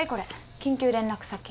緊急連絡先。